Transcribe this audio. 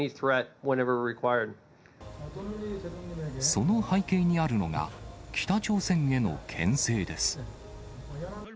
その背景にあるのが、北朝鮮へのけん制です。